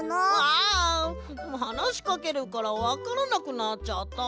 あはなしかけるからわからなくなっちゃった。